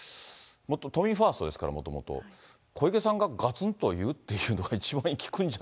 都民ファーストですから、もともと、小池さんががつんと言うっていうのが、そうですよね。